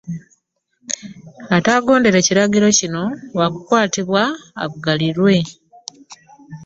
Ataagondere kiragiro kino wa kukwatibwa aggalirwe.